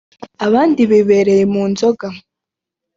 abandi bibereye mu nzoga